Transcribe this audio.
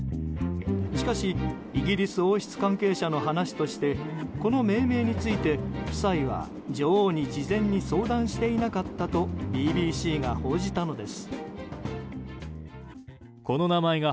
しかしイギリス王室関係者の話としてこの命名について夫妻は女王に事前に相談していなかったとＢＢＣが報じたのです。